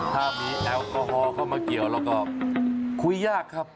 ถ้ามีแอลกอฮอลเข้ามาเกี่ยวแล้วก็คุยยากครับ